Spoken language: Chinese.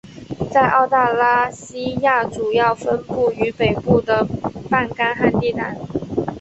在澳大拉西亚主要分布于北部的半干旱地带。